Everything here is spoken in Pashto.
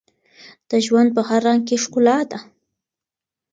د ژوند په هر رنګ کې ښکلا ده.